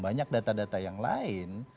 banyak data data yang lain